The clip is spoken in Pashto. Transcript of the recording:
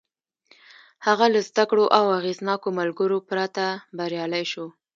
هغه له زدهکړو او اغېزناکو ملګرو پرته بريالی شو.